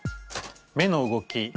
目の動き。